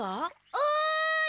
おい！